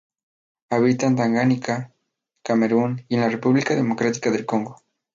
Habita en Tanganica, Camerún y en la República Democrática del Congo.